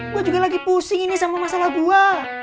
gua juga lagi pusing ini sama masalah gua